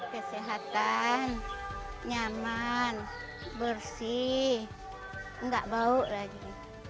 kesehatan nyaman bersih nggak bau lagi